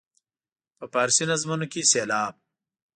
په فارسي نظمونو کې سېلاب.